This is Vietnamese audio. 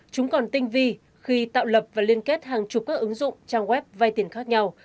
chúng còn tinh vi khi tạo lập và liên kết hàng chục các ứng dụng trang web vay tiền khác nhau